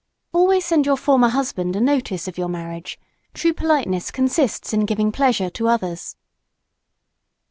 Always send your former husband a notice of your marriage; true politeness consists in giving pleasure to others.